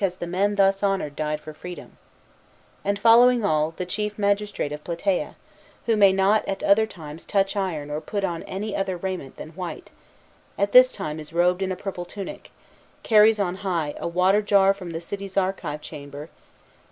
the men thus honoured died for freedom); and following all, the chief magistrate.of Plataea, who may not at other times touch iron or put on any other raiment than white, at this time is robed in a purple tunic, carries on high a water jar from the city's archive chamber, and.